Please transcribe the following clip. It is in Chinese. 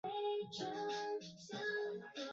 依法应当以受贿罪追究其刑事责任